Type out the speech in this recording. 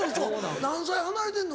何歳離れてんの？